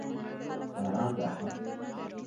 باران رحمت دی.